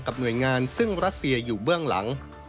หน่วยงานซึ่งรัสเซียอยู่เบื้องหลัง